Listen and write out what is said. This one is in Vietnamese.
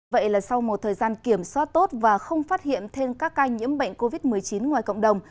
vậy là sau một thời gian kiểm soát tốt và không phát hiện thêm các ca nhiễm bệnh covid một mươi chín ngoài cộng đồng